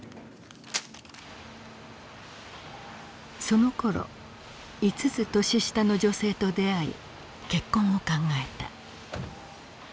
そのころ５つ年下の女性と出会い結婚を考えた。